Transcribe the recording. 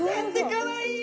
かわいい！